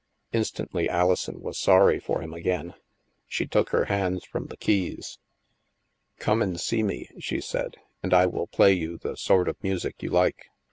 Instantly Alison was sorry for him again. She took her hands from the keys. " Come and see me," she said, " and I will play you the sort of music you like.